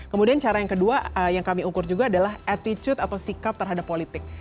kemudian cara yang kedua yang kami ukur juga adalah attitude atau sikap terhadap politik